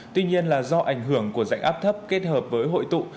tuy nhiên là do ảnh hưởng của dạnh áp thấp kết hợp với hội tụ